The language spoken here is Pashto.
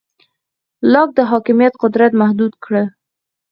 لاک د حاکمیت قدرت محدود کړ.